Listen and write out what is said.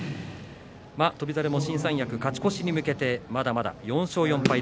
翔猿も新三役に向けてまだまだ４勝４敗。